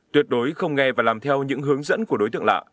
tuyệt đối không nghe và làm theo những hướng dẫn của đối tượng lạ